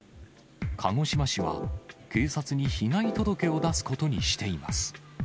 鹿児島市は、警察に被害届を出すことにしています。